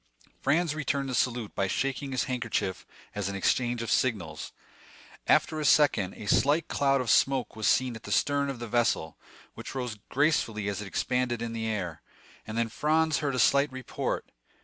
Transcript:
Franz returned the salute by shaking his handkerchief as an exchange of signals. After a second, a slight cloud of smoke was seen at the stern of the vessel, which rose gracefully as it expanded in the air, and then Franz heard a slight report.